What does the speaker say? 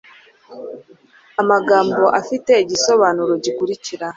amagambo afite igisobanuro gikurikira: